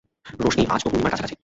রোশনি, আজ তো পূর্ণিমার কাছাকাছি।